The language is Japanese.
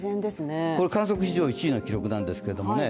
観測史上１位の記録なんですけどね。